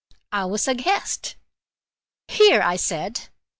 I was aghast. "Here!" I said.